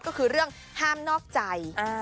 ก็คือเรื่องห้ามนอกใจ